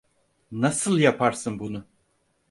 Nasıl yaparsın bunu?